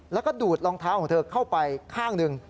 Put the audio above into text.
แล้วก็ดูดรองเท้าของเธอเข้าไปข้างหนึ่ง